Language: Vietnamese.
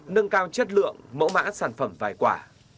nâng cao chất lượng mẫu mã sản phẩm vài quả